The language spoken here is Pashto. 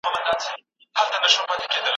د علم او دین ترمنځ اړیکه څنګه وه؟